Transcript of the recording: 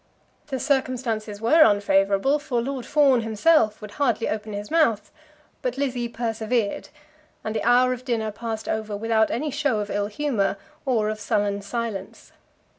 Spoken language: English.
The circumstances were unfavourable, for Lord Fawn himself would hardly open his mouth; but Lizzie persevered, and the hour of dinner passed over without any show of ill humour, or of sullen silence.